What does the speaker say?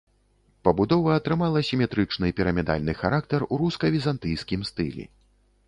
Пабудова атрымала сіметрычны пірамідальны характар у руска-візантыйскім стылі.